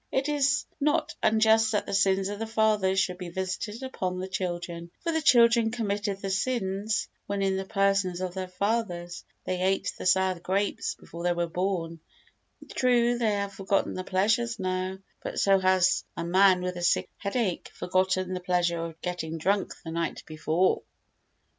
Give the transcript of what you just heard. It is not unjust that the sins of the fathers should be visited upon the children, for the children committed the sins when in the persons of their fathers; they ate the sour grapes before they were born: true, they have forgotten the pleasure now, but so has a man with a sick headache forgotten the pleasure of getting drunk the night before.